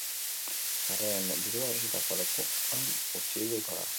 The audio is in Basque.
Sarreren dirua erositako lekuan itzuliko da.